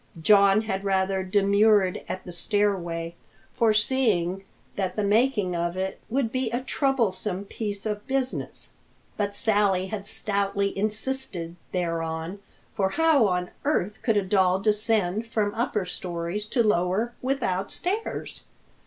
John had rather demurred at the stairway, foreseeing that the making of it would be a troublesome piece of business. But Sally had stoutly insisted thereon, for how on earth could a doll descend from upper stories to lower without stairs?